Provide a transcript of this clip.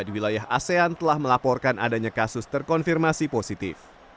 di wilayah asean telah melaporkan adanya kasus terkonfirmasi positif